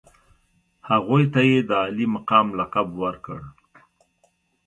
هغوی ته یې د عالي مقام لقب ورکړ.